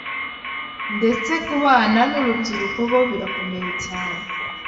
ndetse ku bana n’urubyiruko bo birakomeye cyane